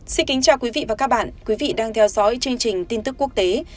xin kính chào quý vị và các bạn quý vị đang theo dõi chương trình tin tức quốc tế